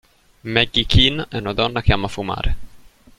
Maggie Keene è una donna che ama fumare.